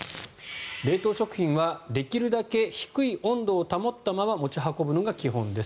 冷凍食品はできるだけ低い温度を保ったまま持ち運ぶのが基本です。